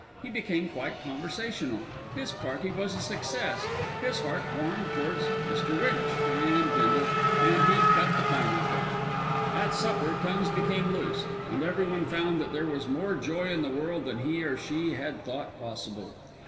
He became quite conversational. His party was a success. His heart warmed towards Mr. Winch and Bindle, and he cut the pineapple. At supper tongues became loosed, and everyone found that there was more joy in the world than he or she had thought possible. Mr.